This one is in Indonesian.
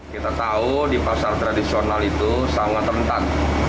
kita tahu di pasar tradisional itu sangat rentan